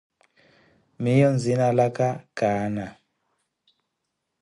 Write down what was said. Miiyo nzina laka ka Ana.